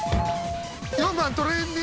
４番トレンディ